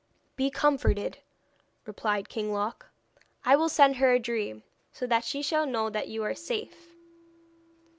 'Be comforted,' replied King Loc; 'I will send her a dream, so that she shall know that you are safe.'